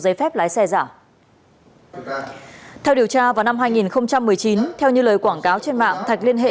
giấy phép lái xe giả theo điều tra vào năm hai nghìn một mươi chín theo như lời quảng cáo trên mạng thạch liên hệ